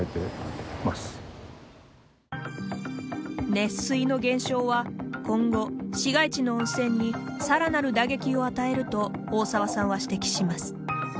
熱水の減少は今後市街地の温泉に更なる打撃を与えると大沢さんは指摘します。